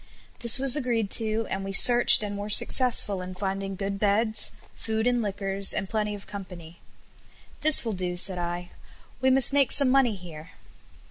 This was agreed to, and we searched and were successful in finding good beds, food and liquors, and plenty of company. "This will do," said I; "we must make some money here."